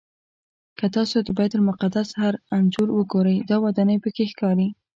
که تاسو د بیت المقدس هر انځور وګورئ دا ودانۍ پکې ښکاري.